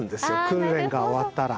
訓練が終わったら。